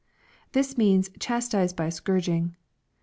] This means "chastise by scourging."